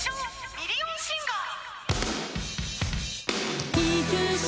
ミリオンシンガー・